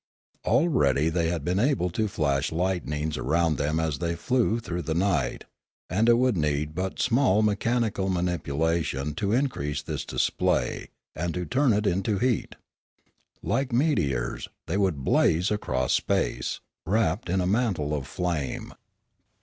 Already they had been able to flash lightnings around them as they flew through the night; and it would need but small mechanical man ipulation to increase this display and to turn it into heat. Like meteors, they would blaze across space, wrapped in a mantle of flame.